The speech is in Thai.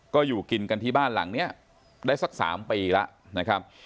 ก็อยู่กินกันที่บ้านหลังนี้ได้สัก๓ปีแล้วนะครับ